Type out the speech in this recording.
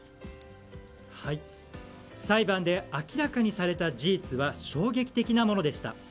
裁判で明らかにされた事実は衝撃的なものでした。